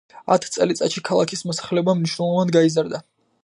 ათ წელიწადში ქალაქის მოსახლეობა მნიშვნელოვნად გაიზარდა.